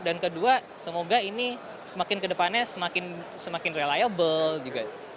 dan kedua semoga ini semakin ke depannya semakin reliable